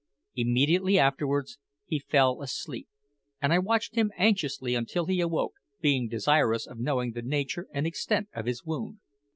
Immediately afterwards he fell asleep, and I watched him anxiously until he awoke, being desirous of knowing the nature and extent of his wound.